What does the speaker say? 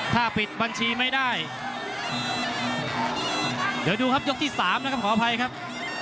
ถ้าปิดบัญชีไม่ได้เดี๋ยวดูครับยกที่สามนะครับขออภัยครับ